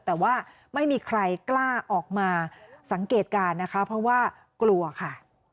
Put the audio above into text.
แต่ว่าไม่มีใครกล้าออกมาสังเกตการณ์นะคะเพราะว่ากลัวค่ะ